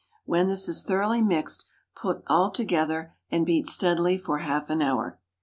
When this is thoroughly mixed, put all together and beat steadily for half an hour.